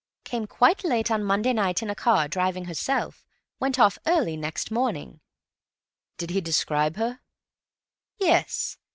Came quite late on Monday night in a car—driving herself—went off early next morning." "Did he describe her?" "Yes.